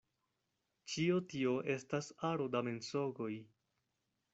Ĉio tio estas aro da mensogoj.